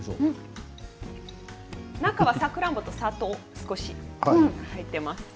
中はサクランボと砂糖が少し入っています。